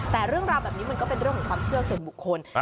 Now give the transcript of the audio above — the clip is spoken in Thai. แต่เรื่องราวแบบนี้มันก็เป็นเรื่องของความเชื่อส่วนบุคคล